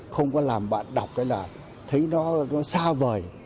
không có làm bạn đọc thấy nó xa vời